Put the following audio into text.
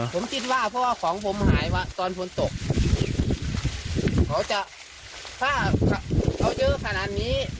ผมคิดว่าเพราะว่าของผมหายมาตอนฝนตกเขาจะถ้าเขาเยอะขนาดนี้